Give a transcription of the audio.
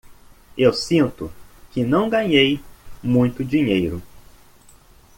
Eu sinto que não ganhei muito dinheiro.